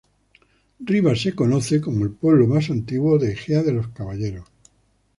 Rivas se conoce como el pueblo más antiguo de Ejea de los Caballeros.